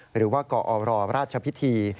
หรือว่ากอรราชพิธี